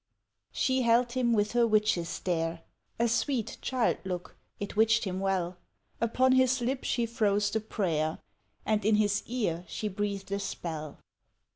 She held him with her witch's stare (A sweet, child look it witched him well!) Upon his lip she froze the prayer, And in his ear she breathed a spell.